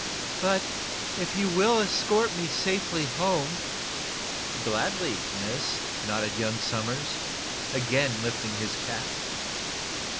"But, if you will escort me safe home " "Gladly, miss," nodded young Somers, again lifting his cap.